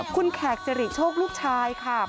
คุณแขกสิริโชคลูกชายค่ะ